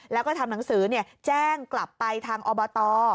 แล้วก็ทำหนังสือแจ้งกลับไปทางอบต